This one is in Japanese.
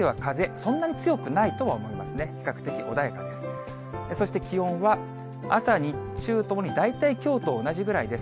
そして気温は朝、日中ともに、大体きょうと同じぐらいです。